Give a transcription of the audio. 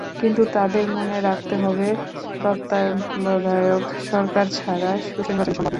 কিন্তু তাদের মনে রাখতে হবে তত্ত্বাবধায়ক সরকার ছাড়া সুষ্ঠু নির্বাচন সম্ভব নয়।